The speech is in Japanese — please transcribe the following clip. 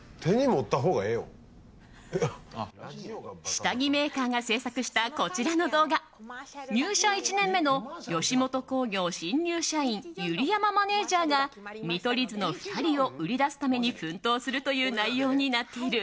下着メーカーが制作したこちらの動画入社１年目の吉本興業新入社員ゆり山マネジャーが見取り図の２人を売り出すために奮闘するという内容になっている。